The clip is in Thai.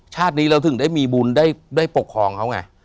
ชาตินี้เราถึงได้มีบุญได้ปกครองเขาไง